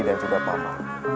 dan juga bapak